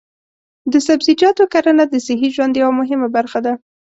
د سبزیجاتو کرنه د صحي ژوند یوه مهمه برخه ده.